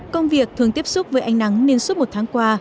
công việc thường tiếp xúc với ánh nắng nên suốt một tháng qua